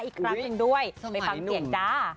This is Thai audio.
อีกครั้งหนึ่งด้วยไปฟังเสียงจ้า